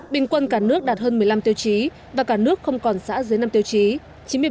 bình quân cả nước đạt hơn một mươi năm tiêu chí và cả nước không còn xã dưới năm tiêu chí